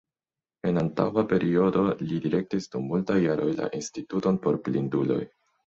En antaŭa periodo li direktis dum multaj jaroj la Instituton por Blinduloj.